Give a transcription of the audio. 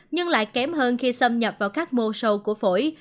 nhưng lại kém hơn khi xâm nhập vào các mô sâu của phổi